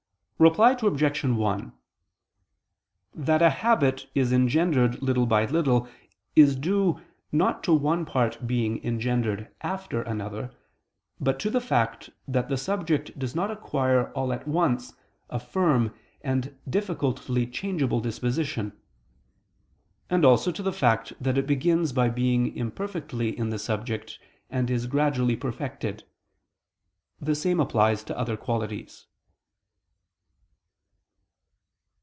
Reply Obj. 1: That a habit is engendered little by little, is due, not to one part being engendered after another, but to the fact that the subject does not acquire all at once a firm and difficultly changeable disposition; and also to the fact that it begins by being imperfectly in the subject, and is gradually perfected. The same applies to other qualities.